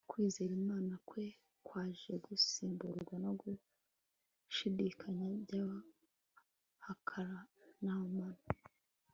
kwizera imana kwe kwaje gusimburwa no gushidikanya by'abahakanamana